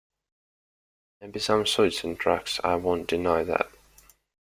Maybe some suits and drugs; I won't deny that.